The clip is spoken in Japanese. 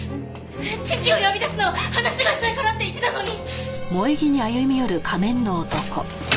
父を呼び出すのは話がしたいからって言ってたのに！